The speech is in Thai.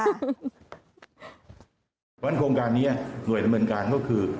เพราะฉะนั้นโครงการนี้หน่วยดำเนินการก็คือ